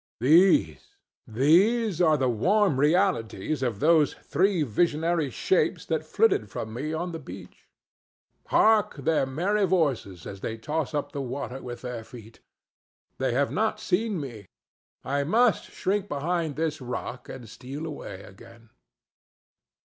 These, these are the warm realities of those three visionary shapes that flitted from me on the beach. Hark their merry voices as they toss up the water with their feet! They have not seen me. I must shrink behind this rock and steal away again.